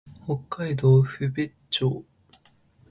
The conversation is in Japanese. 北海道湧別町